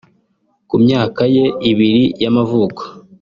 ku myaka ye ibiri y’amavuko